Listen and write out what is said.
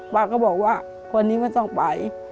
ป้าก็บอกว่าคนนี้ไม่ต้องไป